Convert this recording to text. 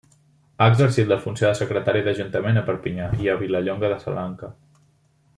Ha exercit la funció de secretari d'ajuntament a Perpinyà i a Vilallonga de la Salanca.